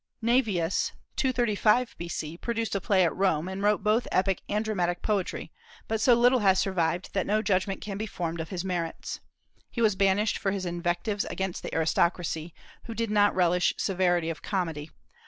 Naevius, 235 B.C., produced a play at Rome, and wrote both epic and dramatic poetry, but so little has survived that no judgment can be formed of his merits. He was banished for his invectives against the aristocracy, who did not relish severity of comedy.